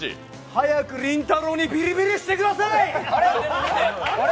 早くりんたろーにビリビリしてください！